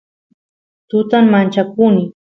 tutan manchakuni